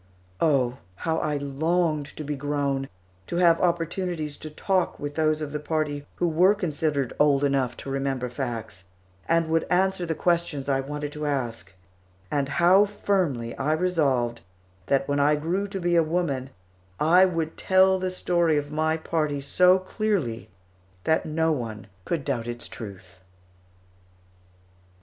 Oh, how I longed to be grown, to have opportunities to talk with those of the party who were considered old enough to remember facts, and would answer the questions I wanted to ask; and how firmly I resolved that when I grew to be a woman I would tell the story of my party so clearly that no one could doubt its truth!